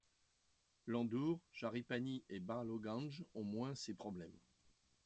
Landour, Jharipani et Barlowganj ont moins ces problèmes.